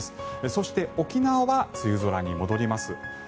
そして沖縄は梅雨空に戻ります。